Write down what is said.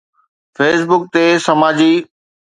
Facebook تي سماجي